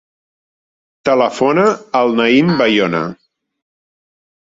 Telefona al Naïm Bayona.